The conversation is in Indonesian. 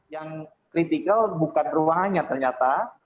yang kritikal bukan ruangannya ternyata